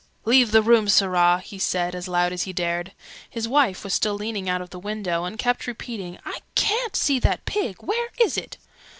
"Leave the room, Sirrah!" he said, as loud as he dared. His wife was still leaning out of the window, and kept repeating "I ca'n't see that pig! Where is it?"